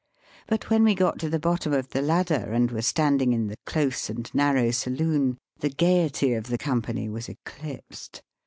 But when we got to the bottom of the ladder and were standing in the close and narrow saloon the gaiety of the company was eclipsed.